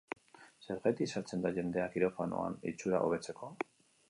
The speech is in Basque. Zergatik sartzen da jendea kirofanoan itxura hobetzeko?